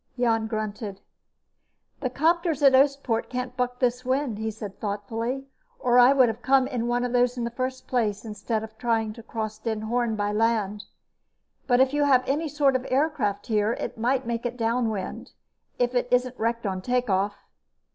Jan grunted. "The copters at Oostpoort can't buck this wind," he said thoughtfully, "or I'd have come in one of those in the first place instead of trying to cross Den Hoorn by land. But if you have any sort of aircraft here, it might make it downwind if it isn't wrecked on takeoff."